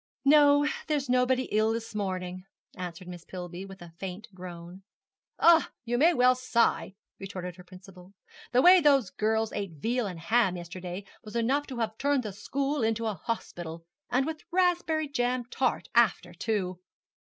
'No; there's nobody ill this morning,' answered Miss Pillby, with a faint groan. 'Ah, you may well sigh,' retorted her principal; 'the way those girls ate veal and ham yesterday was enough to have turned the school into a hospital and with raspberry jam tart after, too.'